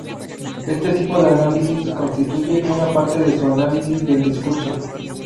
Este tipo de análisis constituye una parte de su análisis del discurso.